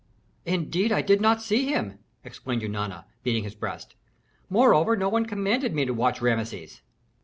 "Indeed I did not see him!" explained Eunana, beating his breast. "Moreover no one commanded me to watch Rameses."